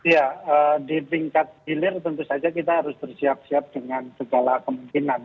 ya di tingkat hilir tentu saja kita harus bersiap siap dengan segala kemungkinan